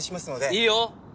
いいよ！